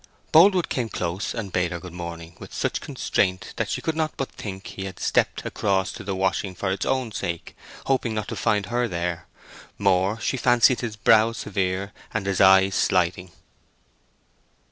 Boldwood came close and bade her good morning, with such constraint that she could not but think he had stepped across to the washing for its own sake, hoping not to find her there; more, she fancied his brow severe and his eye slighting.